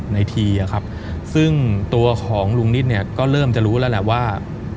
ทีอะครับซึ่งตัวของลุงนิดเนี่ยก็เริ่มจะรู้แล้วแหละว่า